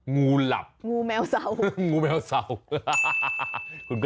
งูหลับงูแมวเสวนูแมวเศร้า